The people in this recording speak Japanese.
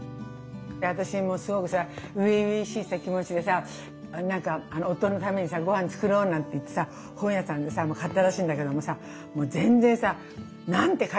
私もすごくさ初々しい気持ちでさなんか夫のためにさご飯作ろうなんて言ってさ本屋さんでさ買ったらしいんだけどもさもう全然さ何て書いてある。